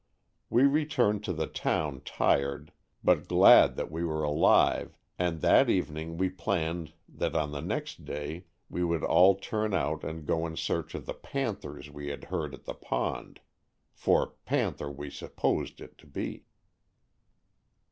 We returned to the town tired, but glad that we were alive, and that even ing we planned that on the next day we would all turn out and go in search of the panther we had heard at the pond— for panther we supposed it to be.